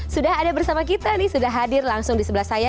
sudah ada bersama kita nih sudah hadir langsung di sebelah saya